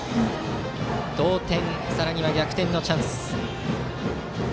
同点、さらには逆転のチャンス。